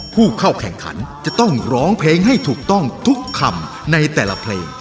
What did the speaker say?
ผู้เข้าแข่งขันจะต้องร้องเพลงให้ถูกต้องทุกคำในแต่ละเพลง